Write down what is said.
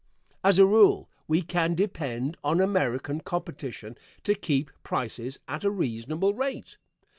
As a rule we can depend on American competition to keep prices at a reasonable rate.